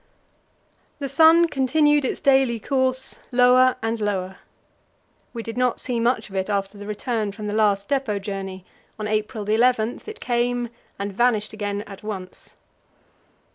The sun continued its daily course, lower and lower. We did not see much of it after the return from the last depot journey; on April 11 it came, and vanished again at once.